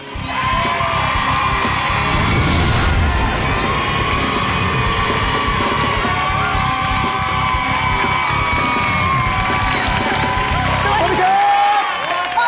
สวัสดีครับสวัสดีครับ